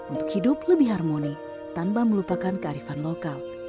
untuk hidup lebih harmoni tanpa melupakan kearifan lokal